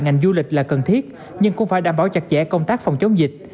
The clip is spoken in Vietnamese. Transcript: ngành du lịch là cần thiết nhưng cũng phải đảm bảo chặt chẽ công tác phòng chống dịch